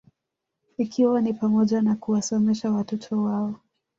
Ikiwa ni pamoja na kuwasomesha watoto wao